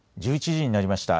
１１時になりました。